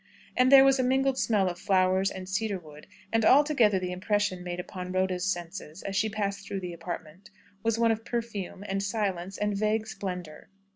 And there was a mingled smell of flowers and cedar wood, and altogether the impression made upon Rhoda's senses, as she passed through the apartment, was one of perfume, and silence, and vague splendour.